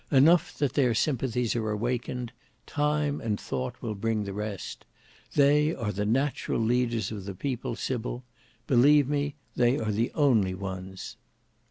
Enough that their sympathies are awakened; time and thought will bring the rest. They are the natural leaders of the People, Sybil; believe me they are the only ones."